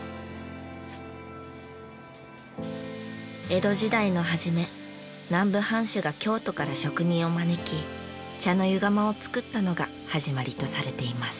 江戸時代の初め南部藩主が京都から職人を招き茶の湯釜を作ったのが始まりとされています。